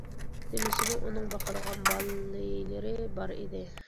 دېمىسىمۇ ئۇنىڭ باقىدىغان بالىلىرى بار ئىدى.